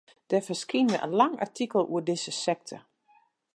Der ferskynde in lang artikel oer dizze sekte.